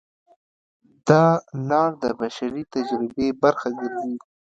دا لار د بشري تجربې برخه ګرځي.